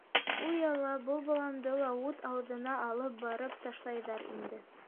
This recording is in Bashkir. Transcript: — Уй Алла, был баламды ла ут ауыҙына алып барып ташлайҙар инде.